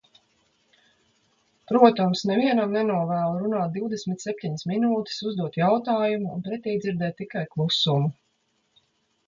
Protams, nevienam nenovēlu runāt divdesmit septiņas minūtes, uzdot jautājumu un pretī dzirdēt tikai klusumu.